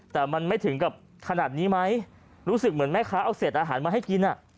แต่มันไม่ถึงกับขนาดนี้ไหมรู้สึกเหมือนแม่ค้าเอาเศษอาหารมาให้กินอ่ะ